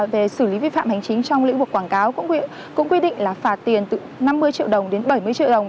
về xử lý vi phạm hành chính trong lĩnh vực quảng cáo cũng quy định là phạt tiền từ năm mươi triệu đồng đến bảy mươi triệu đồng